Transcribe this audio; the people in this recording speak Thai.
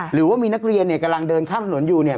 หรือว่ามีนักเรียนเนี่ยกำลังเดินข้ามถนนอยู่เนี่ย